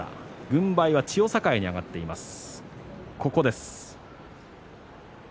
軍配は千代栄に上がっています。